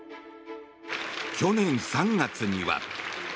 去年３月には。